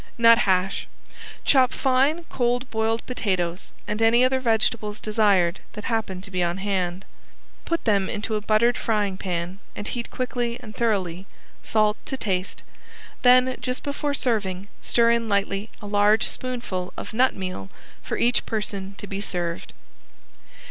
~NUT HASH~ Chop fine cold boiled potatoes and any other vegetables desired that happen to be on hand. Put them into a buttered frying pan and heat quickly and thoroughly, salt to taste, then just before serving stir in lightly a large spoonful of nut meal for each person to be served.